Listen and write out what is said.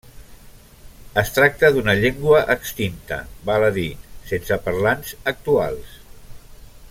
Es tracta d'una llengua extinta, val a dir, sense parlants actuals.